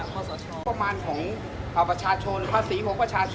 ก็รวมแล้วแต่เป็นคนที่รุ่นหน้า